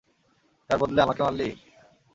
তার বদলে আমাকে মারলি!